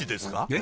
え？